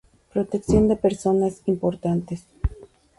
Protección de Personas Importantes.